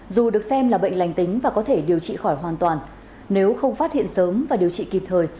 dù được xem là bệnh lành tính và có thể điều trị khỏi hoàn toàn nếu không phát hiện sớm và điều trị kịp thời